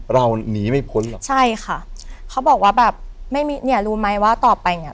เราหนีไม่พ้นหรอกใช่ค่ะเขาบอกว่าแบบไม่มีเนี่ยรู้ไหมว่าต่อไปเนี้ย